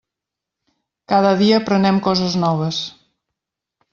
Cada dia aprenem coses noves.